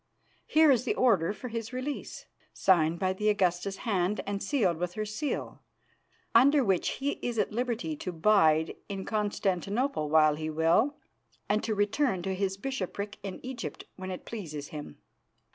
Here is the order for his release, signed by the Augusta's hand and sealed with her seal, under which he is at liberty to bide in Constantinople while he will and to return to his bishopric in Egypt when it pleases him.